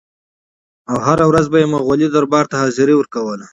او هره ورځ به یې مغولي دربار ته حاضري ورکوله.